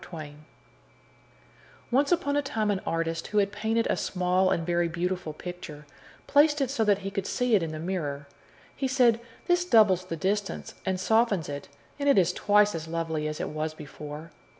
A FABLE Once upon a time an artist who had painted a small and very beautiful picture placed it so that he could see it in the mirror. He said, "This doubles the distance and softens it, and it is twice as lovely as it was before."